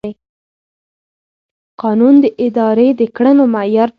قانون د ادارې د کړنو معیار ټاکي.